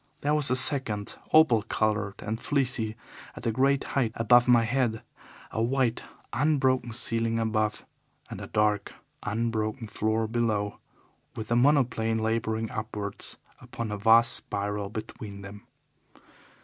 There was a second opal coloured and fleecy at a great height above my head, a white, unbroken ceiling above, and a dark, unbroken floor below, with the monoplane labouring upwards upon a vast spiral between them.